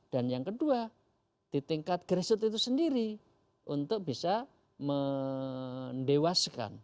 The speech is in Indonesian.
dan yang kedua di tingkat gerisut itu sendiri untuk bisa mendewaskan